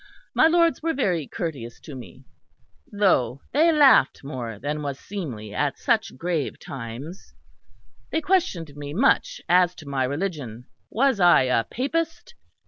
My lords were very courteous to me; though they laughed more than was seemly at such grave times. They questioned me much as to my religion. Was I a papist?